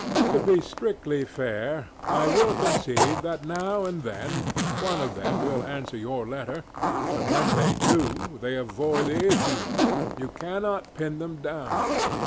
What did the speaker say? To be strictly fair, I will concede that now and then one of them will answer your letter, but when they do they avoid the issueŌĆöyou cannot pin them down.